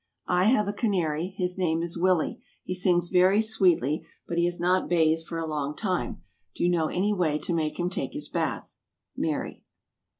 I have a canary. His name is Willie. He sings very sweetly, but he has not bathed for a long time. Do you know any way to make him take his bath? MARY.